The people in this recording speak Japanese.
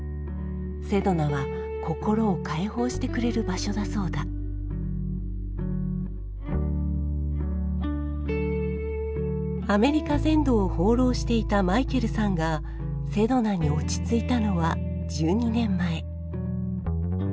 セドナは心を解放してくれる場所だそうだアメリカ全土を放浪していたマイケルさんがセドナに落ち着いたのは１２年前。